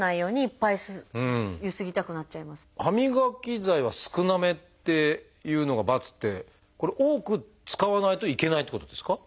「歯磨き剤は少なめ」というのが「×」ってこれ多く使わないといけないってことですか？